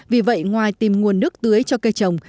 vì vậy ngoài tìm nguồn nước tưới cho cây trồng